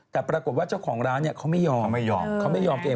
แต่ปรากฏว่าเจ้าของร้านเนี่ยเขาไม่ยอมไม่ยอมเขาไม่ยอมตัวเอง